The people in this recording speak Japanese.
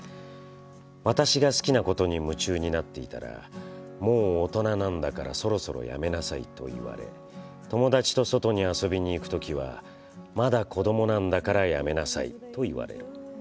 「私が好きなことに夢中になっていたら「もう大人なんだからそろそろやめなさい」と言われ友達と外に遊びに行くときは「まだ子どもなんだからやめなさい」と言われる。